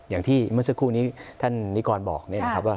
อย่างที่เมื่อสักครู่นี้ท่านนิกรบอกนี่นะครับว่า